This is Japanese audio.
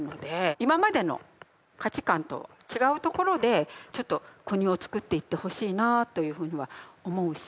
今までの価値観と違うところでちょっと国をつくっていってほしいなというふうには思うし